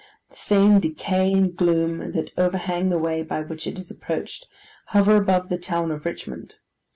The same decay and gloom that overhang the way by which it is approached, hover above the town of Richmond.